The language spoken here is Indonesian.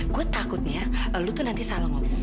gue takutnya lu tuh nanti salah ngomong